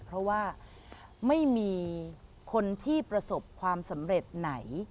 เพราะว่าไม่มีคนที่ประสบความสำเร็จไหน